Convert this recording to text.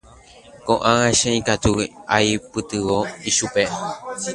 Ko'ág̃a che ikatu aipytyvõ ichupe.